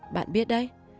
bạn biết đấy